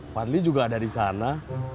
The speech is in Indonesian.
fadli juga ada di sana